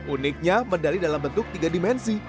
uniknya medali dalam bentuk tiga dimensi